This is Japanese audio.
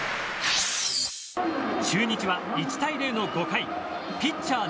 中日は１対０の５回ピッチャー